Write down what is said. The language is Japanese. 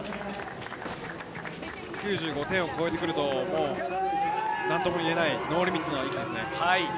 ９５点を超えてくると、何とも言えないノーリミットの域ですね。